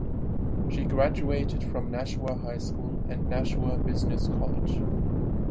She graduated from Nashua High School and Nashua Business College.